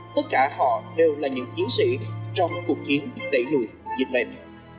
tất cả họ đều là những chiến sĩ trong cuộc chiến đẩy lùi dịch bệnh